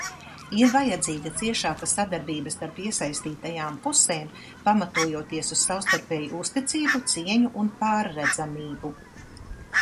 Ir vajadzīga ciešāka sadarbība starp iesaistītajām pusēm, pamatojoties uz savstarpēju uzticību, cieņu un pārredzamību.